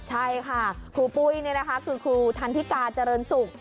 ใช่ค่ะครูปุ้ยนี่นะคะคือครูทันทิกาเจริญศุกร์